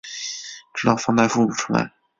直到房贷付不出来